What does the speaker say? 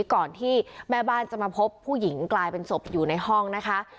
ก่อนที่แม่บ้านจะมาพบผู้หญิงกลายเป็นศพอยู่ในห้องนะคะ